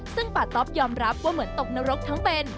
ซึ่งป่าต๊อปยอมรับว่าเหมือนตกนรกทั้งเป็น